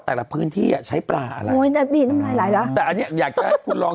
แต่ละพื้นที่ใช้ปลาอะไรแต่อันนี้อยากจะให้คุณลอง